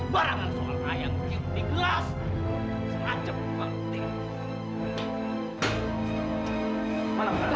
barang barang soal ayah ngerti ngerti gelas serancam lu baru ngerti